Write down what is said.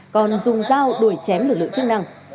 còn dùng dao đuổi chém lực lượng chức năng